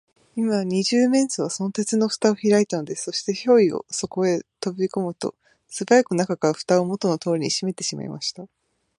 今、二十面相は、その鉄のふたをひらいたのです。そして、ヒョイとそこへとびこむと、すばやく中から、ふたをもとのとおりにしめてしまいました。